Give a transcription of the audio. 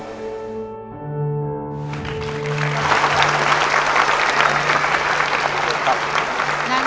ทุกคนค่ะขอบคุณทั้งหมดครับ